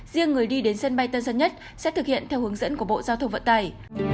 riêng người đi đến sân bay tân sơn nhất sẽ thực hiện theo hướng dẫn của bộ giao thông vận tải